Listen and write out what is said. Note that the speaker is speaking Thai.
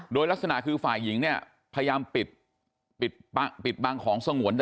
โดยลักษณะคือฝ่ายหญิงเนี่ยพยายามปิดบังของสงวน